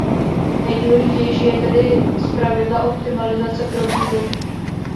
Nejdůležitější je tedy zpravidla optimalizace pro Google.